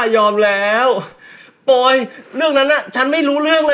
ยอมแล้วจ้ายอมแล้ว